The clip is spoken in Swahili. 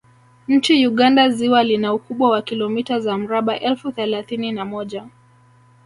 Nchini Uganda ziwa lina ukubwa wa kilomita za mraba elfu thelathini na moja